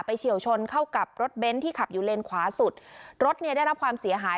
เฉียวชนเข้ากับรถเบนท์ที่ขับอยู่เลนขวาสุดรถเนี่ยได้รับความเสียหาย